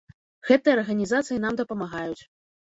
Гэтыя арганізацыі нам дапамагаюць.